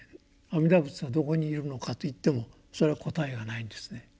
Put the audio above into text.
阿弥陀仏はどこにいるのかと言ってもそれは答えがないんですね。